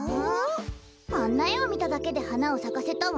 あんなえをみただけではなをさかせたわ。